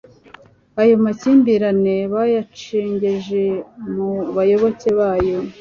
ayo makimbirane bayacengeje mu bayoboke bayo